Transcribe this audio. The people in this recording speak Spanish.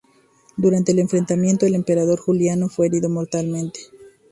Durante el enfrentamiento el emperador Juliano fue herido mortalmente.